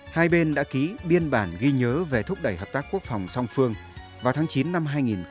hai bên đã ký biên bản ghi nhớ về thúc đẩy hợp tác quốc phòng song phương vào tháng chín năm hai nghìn một mươi chín